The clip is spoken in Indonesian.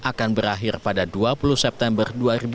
akan berakhir pada dua puluh september dua ribu dua puluh